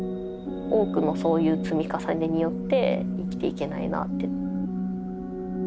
多くのそういう積み重ねによって生きていけないなって。